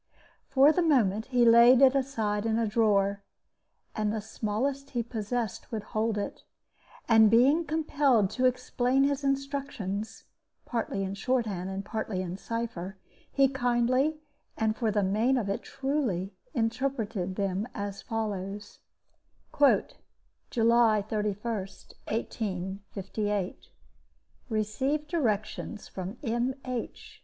For the moment he laid it aside in a drawer and the smallest he possessed would hold it and being compelled to explain his instructions (partly in short hand and partly in cipher), he kindly, and for the main of it truly, interpreted them as follows: "July 31, 1858. Received directions from M. H.